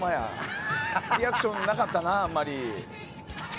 リアクションなかったなあんまり。